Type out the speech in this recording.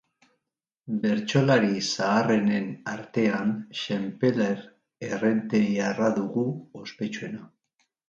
Bertsolari zaharrenen artean Xenpelar errenteriarra dugu ospetsuena